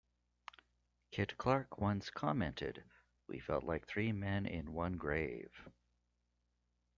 Kit Clark once commented We felt like three men in one grave.